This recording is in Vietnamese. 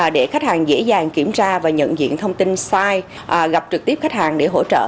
để khách hàng dễ dàng kiểm tra và nhận diện thông tin sai gặp trực tiếp khách hàng để hỗ trợ